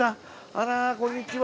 あらこんにちは。